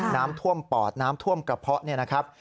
น้ำท่วมปอดน้ำท่วมกระเพาะเนี่ยนะครับ